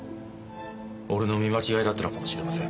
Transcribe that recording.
俺の見間違いだったのかもしれません。